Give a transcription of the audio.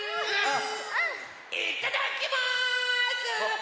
いただきます！